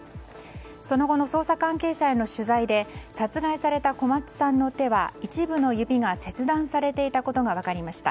その後の捜査関係者への取材で殺害された小松さんの手は一部の指が切断されていたことが分かりました。